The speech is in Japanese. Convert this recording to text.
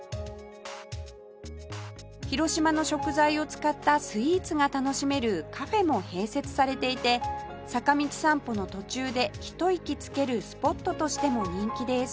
広島の食材を使ったスイーツが楽しめるカフェも併設されていて坂道散歩の途中でひと息つけるスポットとしても人気です